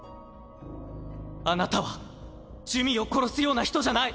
あなたは珠魅を殺すような人じゃない。